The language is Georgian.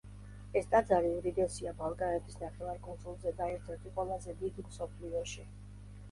ეს ტაძარი უდიდესია ბალკანეთის ნახევარკუნძულზე და ერთი-ერთი ყველაზე დიდი მსოფლიოში.